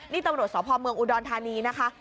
นี่ตำรวจสพเมืองอุดรธานีนะคะ